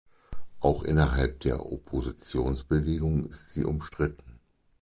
Auch innerhalb der Oppositionsbewegung ist sie umstritten.